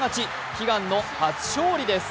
悲願の初勝利です。